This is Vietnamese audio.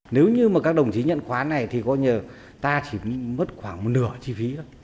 nếu như các đồng chí nhận khoán này thì ta chỉ mất khoảng nửa chi phí